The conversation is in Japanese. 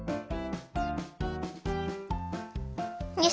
よし。